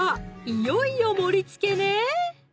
いよいよ盛りつけね！